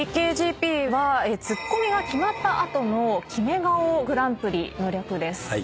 ＴＫＧＰはツッコミが決まった後のキメ顔グランプリの略です。